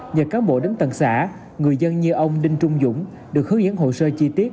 nhờ cán bộ đến tầng xã người dân như ông đinh trung dũng được hướng dẫn hồ sơ chi tiết